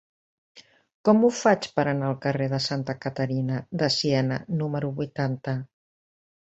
Com ho faig per anar al carrer de Santa Caterina de Siena número vuitanta?